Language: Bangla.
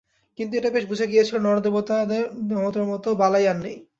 কিন্তু এটা বেশ বুঝা গিয়াছিল, নরদেবতার মতো বালাই আর নেই।